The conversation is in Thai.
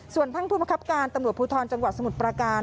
ส่วนท่านผู้บังคับการตำรวจภูทรจังหวัดสมุทรประการ